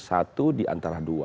satu di antara dua